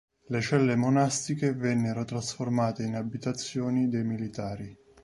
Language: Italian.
Le celle monastiche vennero trasformate in abitazioni dei militari.